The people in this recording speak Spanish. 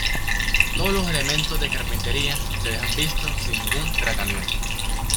Todos los elementos de carpintería se dejan vistos sin ningún tratamiento.